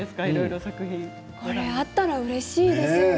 これ、あったらうれしいですね。